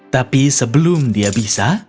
tapi sebelum dia bisa